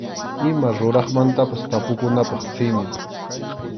Ima ruraqmantapas tapukunapaq simi.